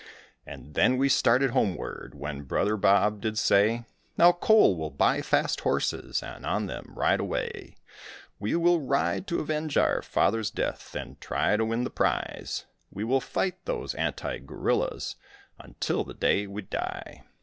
And then we started homeward, when brother Bob did say: "Now, Cole, we will buy fast horses and on them ride away. We will ride to avenge our father's death and try to win the prize; We will fight those anti guerrillas until the day we die."